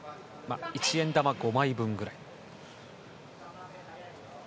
一円玉５枚分くらい。